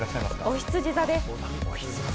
おひつじ座です。